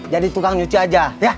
jadi tukang nyuci aja